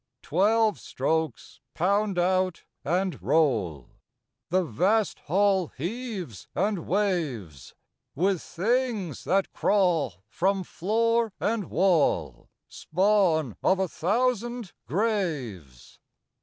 Twelve strokes pound out and roll; The vast Hall heaves and waves With things that crawl from floor and wall Spawn of a thousand graves.